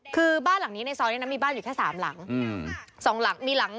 คือบ้านหลังนี้ในซ้อนี้มีบ้านอยู่แค่สามหลัง